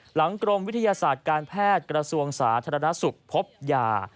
กรมวิทยาศาสตร์การแพทย์กระทรวงสาธารณสุขพบยา